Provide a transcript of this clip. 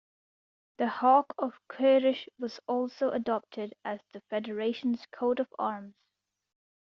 The Hawk of Qureish was also adopted as the Federation's coat of arms.